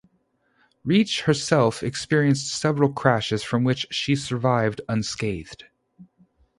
Reitsch herself experienced several crashes from which she survived unscathed.